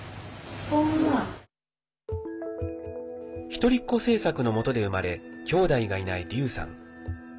一人っ子政策のもとで生まれきょうだいがいない劉さん。